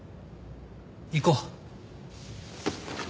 行こう。